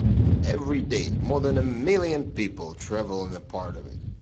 Every day more than a million people travel on a part of it.